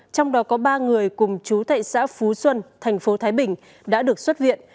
trong đó có ba người cùng chú thệ xã phú xuân thành phố thái bình đã được xuất viện